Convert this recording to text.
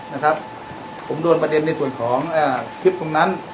นะครับผมโดนประเด็นในส่วนของอ่าคลิปตรงนั้น